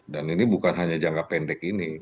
dan ini bukan hanya jangka pendek ini